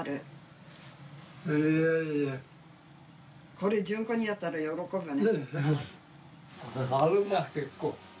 これジュンコにやったら喜ぶね。